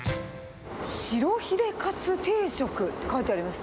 白ヒレかつ定食って書いてあります。